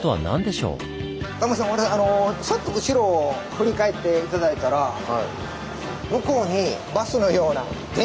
ちょっと後ろを振り返って頂いたら向こうにバスのような電車のような。